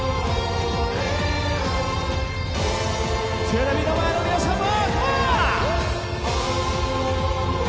テレビの前の皆さんも！